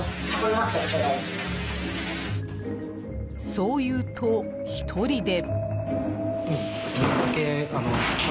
［そう言うと一人で］